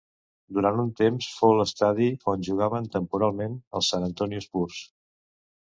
Durant un temps, fou l'estadi on jugaven temporalment els San Antonio Spurs.